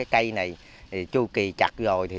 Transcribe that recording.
cây này chu kỳ chặt rồi